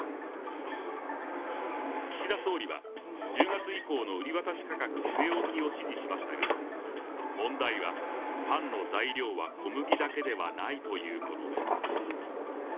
岸田総理は１０月以降の売渡価格据え置きを指示しましたが、問題は、パンの材料は小麦だけではないということです。